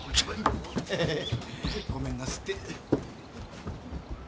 ごめんなすって。